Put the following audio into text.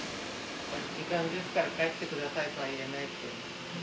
時間ですから帰ってくださいとは言えないし。